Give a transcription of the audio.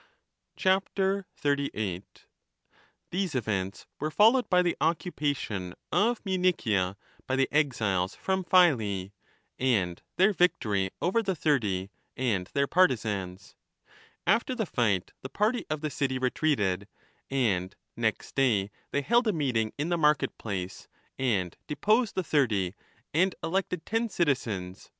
38 These events were followed by the occupation of Munichia by the exiles from Phyle, and their victory over the Thirty and their partisans. After the fight the party of the city retreated, and next day they held a meeting in the market place and deposed the Thirty, and elected ten citizens with full powers to bring the war to a termination.